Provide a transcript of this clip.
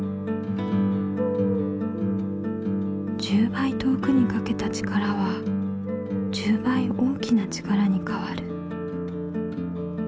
１０倍遠くにかけた力は１０倍大きな力にかわる。